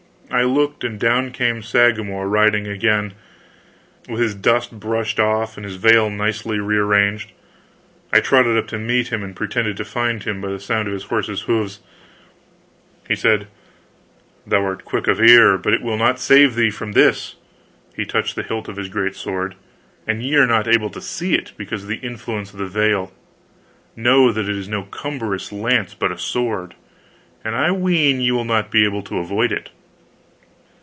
I looked, and down came Sagramor riding again, with his dust brushed off and his veil nicely re arranged. I trotted up to meet him, and pretended to find him by the sound of his horse's hoofs. He said: "Thou'rt quick of ear, but it will not save thee from this!" and he touched the hilt of his great sword. "An ye are not able to see it, because of the influence of the veil, know that it is no cumbrous lance, but a sword and I ween ye will not be able to avoid it."